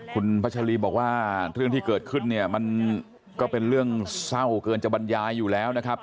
คุณพัชรีบอกว่าเรื่องที่เกิดขึ้นเนี่ยมันก็เป็นเรื่องเศร้าเกินจะบรรยายอยู่แล้วนะครับ